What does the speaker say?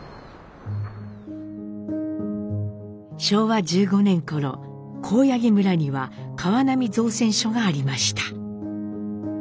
昭和１５年頃香焼村には川南造船所がありました。